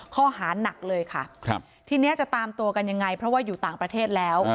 ข้อหานักเลยค่ะทีนี้จะตามตัวกันยังไงเพราะว่าอยู่ต่างประเทศแล้ว